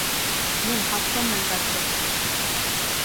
Jien ħadthom mill-gazzetti.